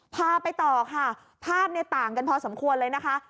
พาไปต่อค่ะภาพเนี่ยต่างกันพอสมควรเลยนะคะ